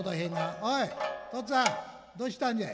「おい父っつぁんどうしたんじゃい。